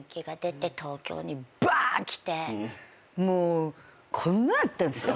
もうこんなだったんすよ。